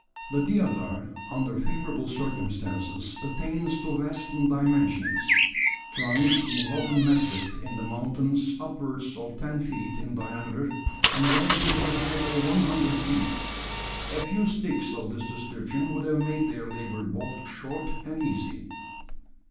The deodar, under favourable circumstances, attains to vast dimensions, trunks being often met with in the mountains upwards of ten feet in diameter, and rising to the height of one hundred feet. A few sticks of this description would have made their labour both short and easy.